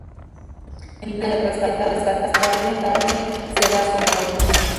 Finalmente, es rescatado y más tarde se da su muerte.